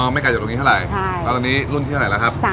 ไม่ไกลจากตรงนี้เท่าไหร่แล้วตอนนี้รุ่นที่เท่าไหร่แล้วครับ